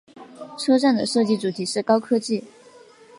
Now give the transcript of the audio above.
车站的设计主题是高科技。